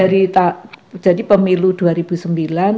dari tak jadi pemilu dua periode pemerintahan